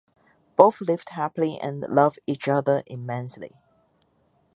Both live happily and love each other immensely.